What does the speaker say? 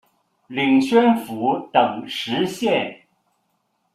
领宣府等十县。